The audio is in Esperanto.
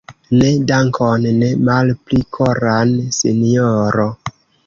Ne, dankon ne malpli koran, sinjoro.